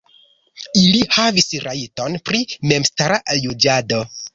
Ili havis rajton pri memstara juĝado.